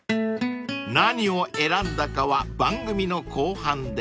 ［何を選んだかは番組の後半で］